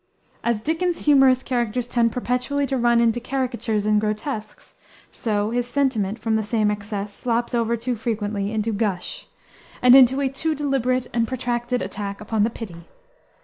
As Dickens's humorous characters tend perpetually to run into caricatures and grotesques, so his sentiment, from the same excess, slops over too frequently into "gush," and into a too deliberate and protracted attack upon the pity.